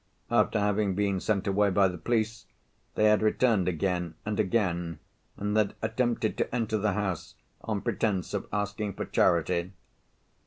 After having been sent away by the police, they had returned again and again, and had attempted to enter the house on pretence of asking for charity.